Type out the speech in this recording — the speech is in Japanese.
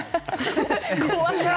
怖い。